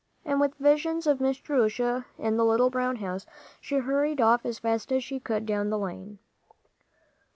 And with visions of Miss Jerusha in the little brown house, she hurried off as fast as she could down the lane.